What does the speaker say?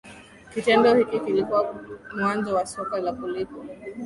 Kitendo hiki kilikuwa mwanzo wa soka la kulipwa